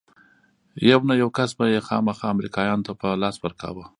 يو نه يو کس به يې خامخا امريکايانو ته په لاس ورکاوه.